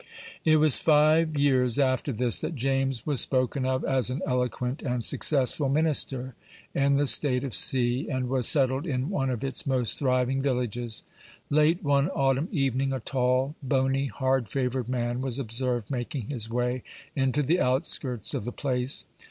It was five years after this that James was spoken of as an eloquent and successful minister in the state of C., and was settled in one of its most thriving villages. Late one autumn evening, a tall, bony, hard favored man was observed making his way into the outskirts of the place.